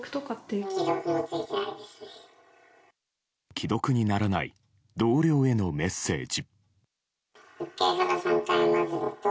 既読にならない同僚へのメッセージ。